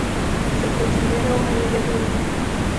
Se considera una villa turística.